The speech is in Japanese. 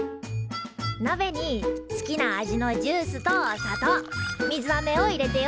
なべに好きな味のジュースと砂糖水あめを入れてよ